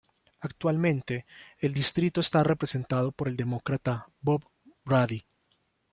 Actualmente el distrito está representado por el Demócrata Bob Brady.